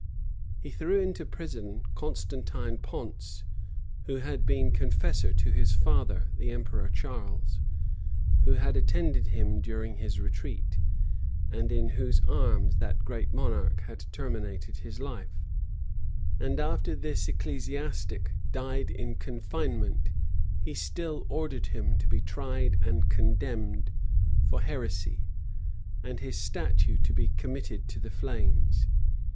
He threw into prison Constantine Ponce, who had been confessor to his father, the emperor Charles; who had attended him during his retreat; and in whose arms that great monarch had terminated his life: and after this ecclesiastic died in confinement, he still ordered him to be tried and condemned for heresy, and his statue to be committed to the flames.